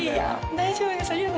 大丈夫です。